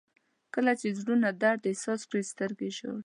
• کله چې زړونه درد احساس کړي، سترګې ژاړي.